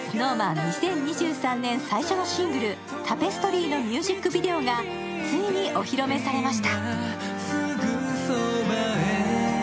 ２０２３年最初のシングル、「タペストリー」のミュージックビデオがついにお披露目されました。